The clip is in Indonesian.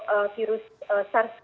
tetapi khusus untuk